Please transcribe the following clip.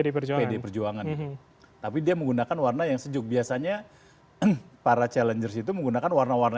pd perjuangan tapi dia menggunakan warna yang sejuk biasanya para challengers itu menggunakan warna warna